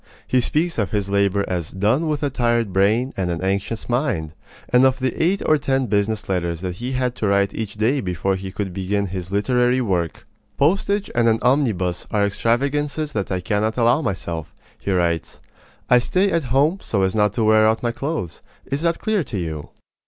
He speaks of his labor as "done with a tired brain and an anxious mind," and of the eight or ten business letters that he had to write each day before he could begin his literary work. "Postage and an omnibus are extravagances that I cannot allow myself," he writes. "I stay at home so as not to wear out my clothes. Is that clear to you?"